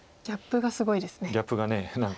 ギャップがすごいですね。